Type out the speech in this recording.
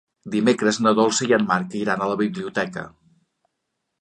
Dimecres na Dolça i en Marc iran a la biblioteca.